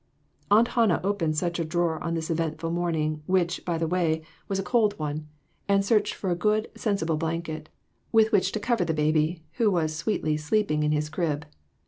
Aunt Hannah opened such a drawer on this eventful morning, which, by the way, was a cold 390 THREE OF US. one, and searched for a good, sensible blanket, with which to cover the baby, who was sweetly sleeping in his crib.